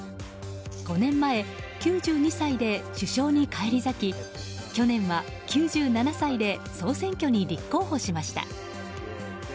５年前、９２歳で首相に返り咲き去年は９７歳で総選挙に立候補しました。